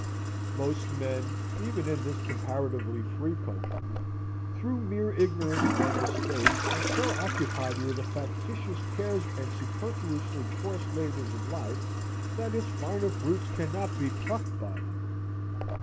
Most men, even in this comparatively free country, through mere ignorance and mistake, are so occupied with the factitious cares and superfluously coarse labors of life that its finer fruits cannot be plucked by them.